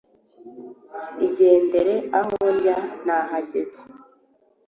igendere aho njya nahageze.